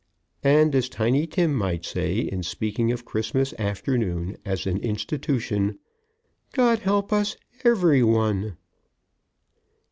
And, as Tiny Tim might say in speaking of Christmas afternoon as an institution, "God help us, every one."